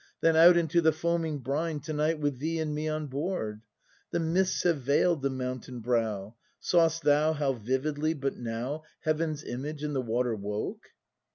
Then out into the foaming brine To night with thee and me on board! — The mists have veil'd the mountain brow — Saw'st thou how vividly, but now. Heaven's image in the water woke!